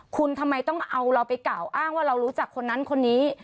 คุณทำไมต้องเอาเราไปกล่าวอ้างว่าเรารู้จักคนนั้นคนนี้